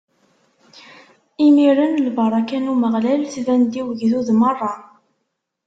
Imiren lbaṛaka n Umeɣlal tban-d i ugdud meṛṛa.